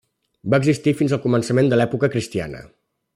Va existir fins al començament de l'època cristiana.